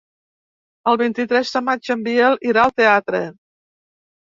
El vint-i-tres de maig en Biel irà al teatre.